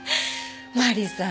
マリさん